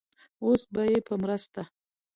اوس به يې په مرسته